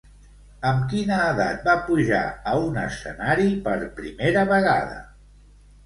Amb quina edat va pujar a un escenari per primera vegada?